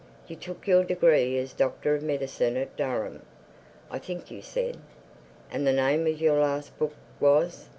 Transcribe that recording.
You took your degree as Doctor of Medicine at Durham, I think you said. And the name of your last book was?"